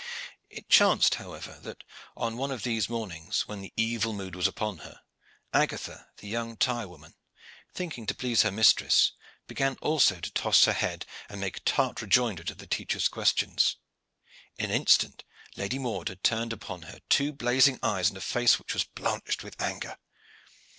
It chanced however that, on one of these mornings when the evil mood was upon her, Agatha the young tire woman, thinking to please her mistress, began also to toss her head and make tart rejoinder to the teacher's questions. In an instant the Lady Maude had turned upon her two blazing eyes and a face which was blanched with anger.